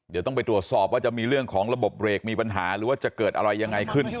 เดี๋ยวต้องไปตรวจสอบว่าจะมีเรื่องของระบบเบรกมีปัญหาหรือว่าจะเกิดอะไรยังไงขึ้น